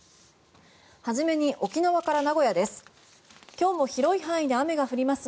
初めに沖縄から名古屋です。